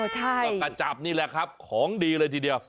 ก็กระจับนี่แหละครับของดีเลยทีเดียว